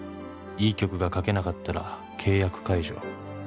「いい曲が書けなかったら契約解除」